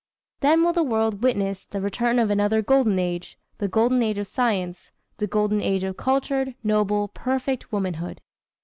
Then will the world witness the return of another Golden Age the Golden Age of Science the Golden Age of cultured, noble, perfect womanhood.